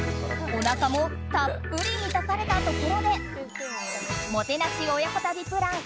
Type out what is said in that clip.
おなかもたっぷり満たされたところでもてなし親子旅プラン